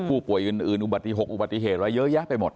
ผู้ป่วยอื่นอุบัติหกอุบัติเหตุและเยอะแยะไปหมด